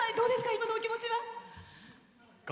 今のお気持ちは。